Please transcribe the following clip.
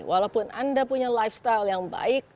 walaupun anda punya lifestyle yang baik